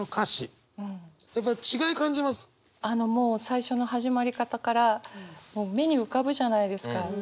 あのもう最初の始まり方から目に浮かぶじゃないですか。